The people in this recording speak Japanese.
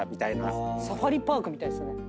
サファリパークみたいですね。